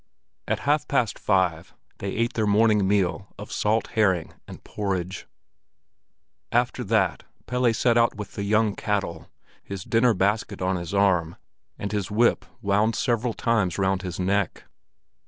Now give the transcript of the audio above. At half past five they ate their morning meal of salt herring and porridge. After that Pelle set out with the young cattle, his dinner basket on his arm, and his whip wound several times round his neck.